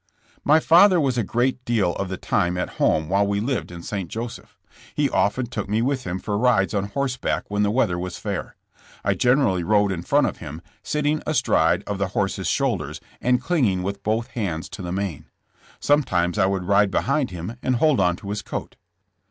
My father was a great deal of the time at home while we lived in St. Joseph. He often took me with him for rides on horseback when the weather was fair. I generally rode in front of him, sitting astride of the horse's shoulders, and clinging with both hands to the mane. Sometimes I would ride behind him and hold on to his coat.